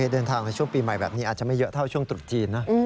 ในช่วงปีใหม่แบบนี้อาจจะไม่เยอะเท่าช่วงตรุษจีนนะ